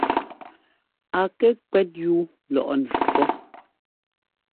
A kɛ kwɛ́t yúu lɔꞌnɛ pɔ́.